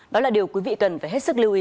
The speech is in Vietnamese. đó là điều quý vị cần phải hết sức lưu ý